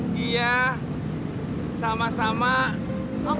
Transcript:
makasih ya bang udin